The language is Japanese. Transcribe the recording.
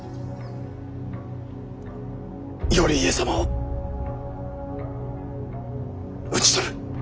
頼家様を討ち取る。